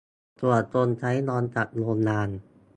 ส่วนคนใช้รอมจากโรงงาน